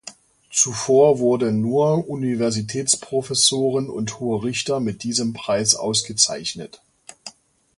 Zuvor wurden nur Universitätsprofessoren und hohe Richter mit diesem Preis ausgezeichnet.